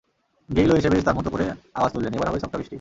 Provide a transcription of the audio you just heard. গেইলও এসে বেশ তাঁর মতো করে আওয়াজ তুললেন—এবার হবে ছক্কা বৃষ্টি।